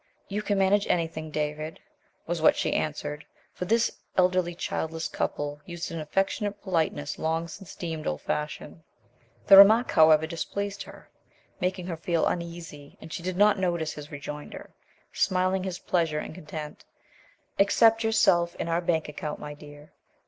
"You can manage anything, David," was what she answered, for this elderly childless couple used an affectionate politeness long since deemed old fashioned. The remark, however, displeased her, making her feel uneasy, and she did not notice his rejoinder, smiling his pleasure and content "Except yourself and our bank account, my dear."